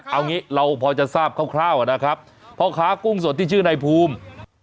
เอางี้เราพอจะทราบคร่าวนะครับพ่อค้ากุ้งสดที่ชื่อนายภูมิ